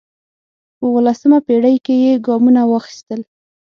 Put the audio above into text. په اوولسمه پېړۍ کې یې ګامونه واخیستل